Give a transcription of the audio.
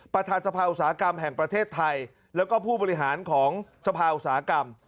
ประธานสภาอุตสาหกรรมแห่งประเทศไทยแล้วก็ผู้บริหารของสภาอุตสาหกรรม